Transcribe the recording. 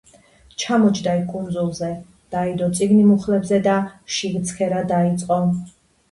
ჩამოჯდა იქ კუნძზე, დაიდო წიგნი მუხლებზე და შიგ ცქერა დიწყო,